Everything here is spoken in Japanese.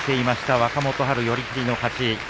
若元春、寄り切りの勝ち。